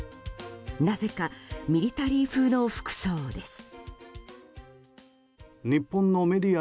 なぜかミリタリー風の服装です。